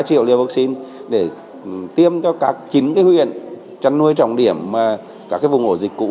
hai triệu liều vaccine để tiêm cho các chín huyền chân nuôi trọng điểm các vùng ổ dịch cũ